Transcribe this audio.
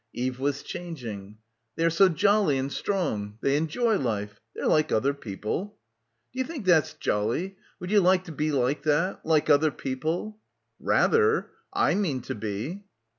Eve was changing. "They are so jolly and strong. They enjoy life. They're like other people." ... "D'you think that's jolly? Would you like to be like that — like other people?" "Rather. I mean to be."